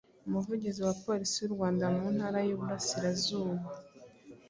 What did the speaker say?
Umuvugizi wa Polisi y’u Rwanda mu Ntara y’Iburasirazuba,